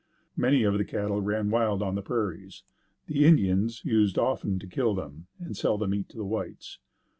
Many of the cattle ran wild on the prairies. The Indians used often to kill them and sell the meat to the whites.